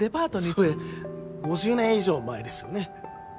それ５０年以上前ですよね？